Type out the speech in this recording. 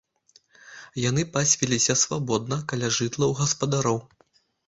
Яны пасвіліся свабодна каля жытлаў гаспадароў.